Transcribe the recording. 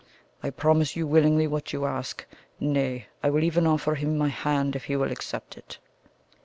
I promise you willingly what you ask nay, I will even offer him my hand if he will accept it."